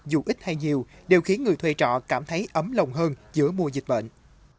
dù ít hay nhiều đều khiến người thuê trọ cảm thấy ấm lòng hơn giữa mùa dịch bệnh